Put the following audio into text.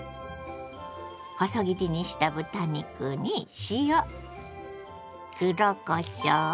細切りにした豚肉に塩黒こしょう。